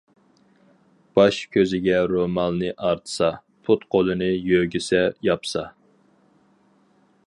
باش كۆزىگە رومالنى ئارتسا، پۇت-قولىنى يۆگىسە ياپسا.